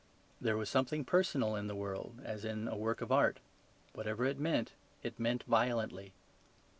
There was something personal in the world, as in a work of art; whatever it meant it meant violently.